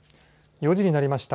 ４時になりました。